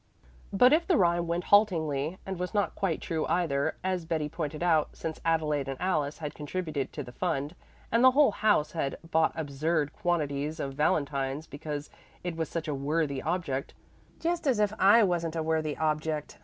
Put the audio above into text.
But if the rhyme went haltingly and was not quite true either, as Betty pointed out, since Adelaide and Alice had contributed to the fund, and the whole house had bought absurd quantities of valentines because it was such a "worthy object" ("just as if I wasn't a worthy object!"